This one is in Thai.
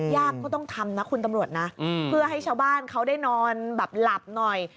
ยากก็ต้องทำนะคุณตำรวจนะเพื่อให้ชาวบ้านเขาได้นอนแบบหลับหน่อย